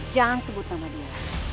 jangan sebut nama dia